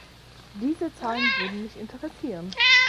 Diese Zahlen würden mich interessieren.